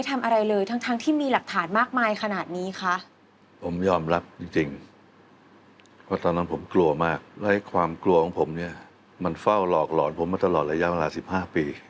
หมอต้องเป็นห่วงเนอะปีอยู่บนสวรรค์เนอะปี